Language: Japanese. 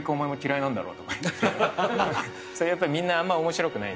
だからそれこそやっぱりみんなあんまり面白くない。